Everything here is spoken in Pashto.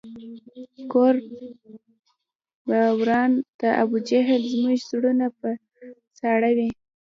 کور به وران د ابوجهل زموږ زړونه په ساړه وي